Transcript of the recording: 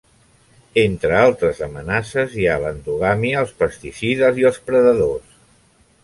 Entre altres amenaces hi ha l'endogàmia, els pesticides i els predadors.